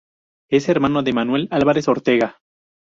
Es hermano de Manuel Álvarez Ortega.